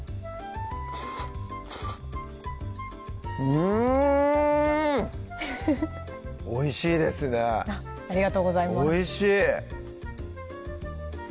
うんおいしいですねありがとうございますおいしい！